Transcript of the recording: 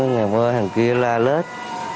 ngày mơ hàng kia la lết